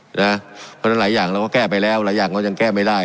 เพราะฉะนั้นหลายอย่างเราก็แก้ไปแล้วหลายอย่างก็ยังแก้ไม่ได้